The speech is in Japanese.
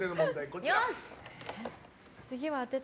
こちら。